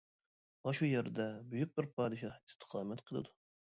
ئاشۇ يەردە بۈيۈك بىر پادىشاھ ئىستىقامەت قىلىدۇ.